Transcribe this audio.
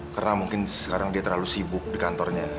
karena mungkin sekarang dia terlalu sibuk di kantornya